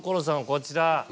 こちら。